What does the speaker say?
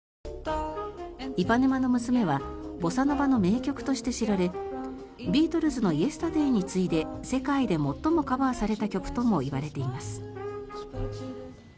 「イパネマの娘」はボサノバの名曲として知られビートルズの「イエスタデイ」に次いで世界で最もカバーされた曲ともいわれています。